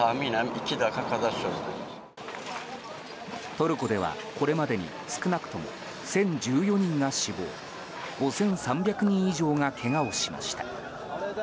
トルコではこれまでに少なくとも１０１４人が死亡５３００人以上がけがをしました。